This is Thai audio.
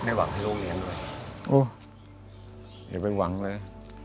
อย่าไปหวังเลย